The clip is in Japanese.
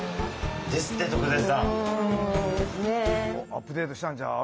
アップデートしたんちゃう？